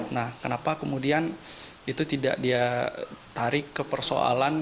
nah kenapa kemudian itu tidak dia tarik ke persoalan